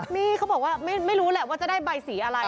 นี่เขาบอกว่าไม่รู้แหละว่าจะได้ใบสีอะไร